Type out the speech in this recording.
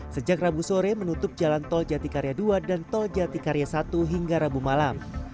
sejak rabu sore menutup jalan tol jatikarya dua dan tol jatikarya satu hingga rabu malam